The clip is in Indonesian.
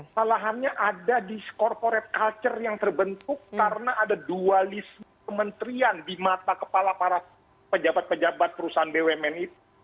salahannya ada di corporate culture yang terbentuk karena ada dualisme kementerian di mata kepala para pejabat pejabat perusahaan bumn itu